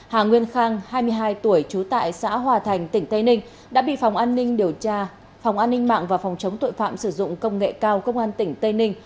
hà nguyên khang hai mươi hai tuổi trú tại xã hòa thành tỉnh tây ninh đã bị phòng an ninh điều tra phòng an ninh mạng và phòng chống tội phạm sử dụng công nghệ cao công an tỉnh tây ninh